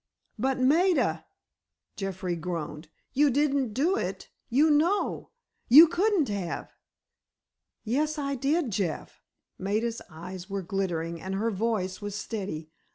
"But, Maida," Jeffrey groaned, "you didn't do it—you know! You couldn't have!" "Yes, I did, Jeff." Maida's eyes were glittering, and her voice was steady.